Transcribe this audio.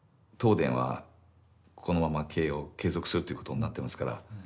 東電はこのまま経営を継続するということになってますから。